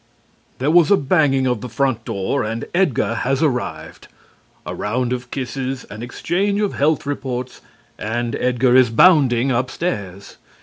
There was a banging of the front door, and Edgar has arrived. A round of kisses, an exchange of health reports, and Edgar is bounding upstairs.